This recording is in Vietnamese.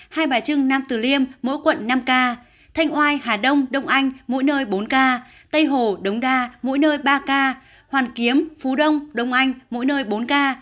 hai bà trưng nam tử liêm mỗi quận năm ca thanh oai hà đông đông anh mỗi nơi bốn ca tây hồ đống đa mỗi nơi ba ca hoàn kiếm phú đông đông anh mỗi nơi bốn ca